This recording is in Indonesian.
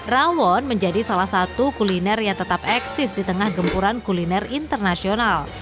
rawon menjadi salah satu kuliner yang tetap eksis di tengah gempuran kuliner internasional